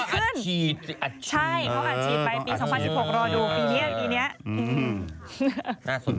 เขาบอกอัดชีด